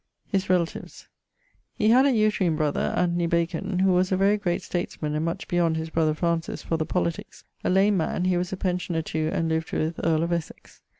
<_His relatives._> He had a uterine[XVI.] brother ANTHONY BACON, who was a very great statesman and much beyond his brother Francis for the politiques, a lame man, he was a pensioner to, and lived with ... earle of Essex.